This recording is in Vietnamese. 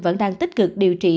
vẫn đang tích cực điều trị